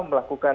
i main ada